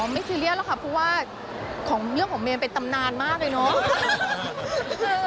ซีเรียสหรอกค่ะเพราะว่าของเรื่องของเมนเป็นตำนานมากเลยเนาะ